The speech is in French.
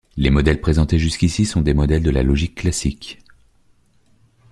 Les modèles présentés jusqu'ici sont des modèles de la logique classique.